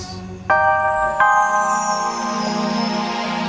sampai jumpa lagi